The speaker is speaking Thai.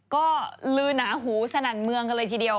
ก็ลืนหาหูสนันเมืองเลยทีเดียว